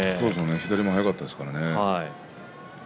左も速かったですからね。